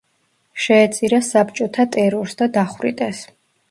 შეეწირა საბჭოთა ტერორს და დახვრიტეს.